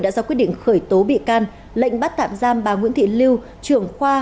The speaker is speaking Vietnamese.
đã ra quyết định khởi tố bị can lệnh bắt tạm giam bà nguyễn thị lưu trưởng khoa